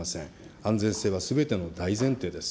安全性がすべての大前提です。